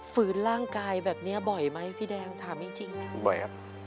ฝืนร่างกายแบบนี้บ่อยไหมพี่แดงถามจริงไหมบ่อยครับ